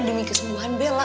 demi kesembuhan bella